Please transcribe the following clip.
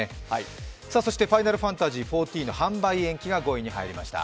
「ファイナルファンタジーⅩⅣ」の販売延期が５位に入りました。